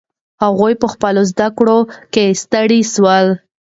هغوی په خپلو زده کړو کې ستړي سول.